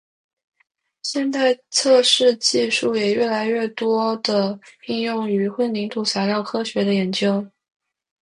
现代测试技术也越来越多地应用于混凝土材料科学的研究。